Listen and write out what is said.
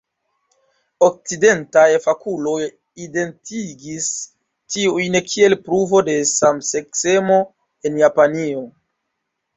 Okcidentaj fakuloj identigis tiujn kiel pruvo de samseksemo en Japanio.